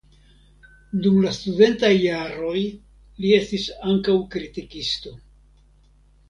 Dum la studentaj jaroj li estis ankaŭ kritikisto.